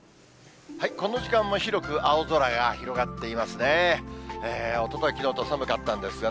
この時間も広く青空が広がっていますね。